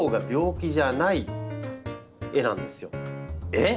えっ？